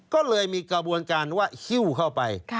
ก็เลยมีกระบวนการว่าฮิ้วเข้าไป